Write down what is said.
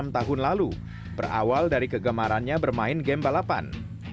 enam tahun lalu berawal dari kegemarannya bermain game balapan